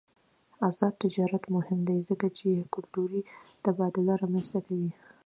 آزاد تجارت مهم دی ځکه چې کلتوري تبادله رامنځته کوي.